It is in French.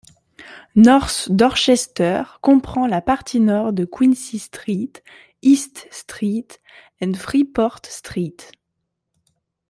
North Dorchester comprend la partie nord de Quincy Street, East Street and Freeport Street.